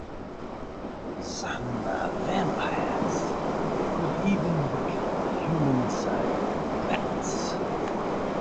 Some Vampires could even become Human-sized bats.